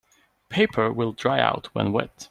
Paper will dry out when wet.